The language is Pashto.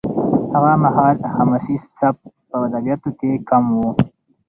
هغه مهال حماسي سبک په ادبیاتو کې کم و.